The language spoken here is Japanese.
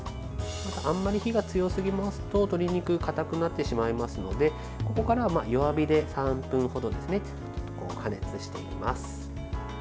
あんまり火が強すぎますと鶏肉、硬くなってしまいますのでここからは弱火で３分ほど加熱していきます。